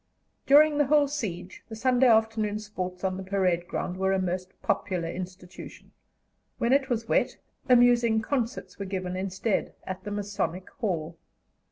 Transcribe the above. During the whole siege the Sunday afternoon sports on the parade ground were a most popular institution; when it was wet, amusing concerts were given instead at the Masonic Hall.